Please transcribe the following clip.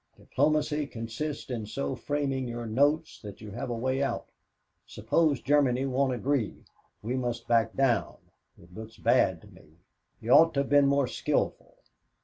"Diplomacy consists in so framing your notes that you have a way out. Suppose Germany won't agree, we must back down. It looks bad to me. He ought to have been more skillful."